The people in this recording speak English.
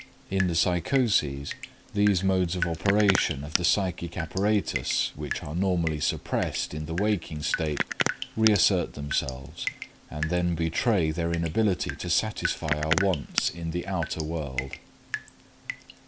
_ In the psychoses these modes of operation of the psychic apparatus, which are normally suppressed in the waking state, reassert themselves, and then betray their inability to satisfy our wants in the outer world.